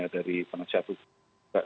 dari penasihat hukum